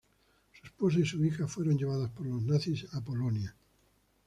Su esposa y su hija fueron llevadas por los nazis a Polonia.